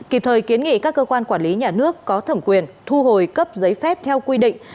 kịp thời kiến nghị các cơ quan quản lý nhà nước có thẩm quyền thu hồi cấp giấy phép theo quy định